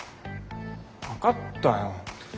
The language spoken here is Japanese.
分かったよ。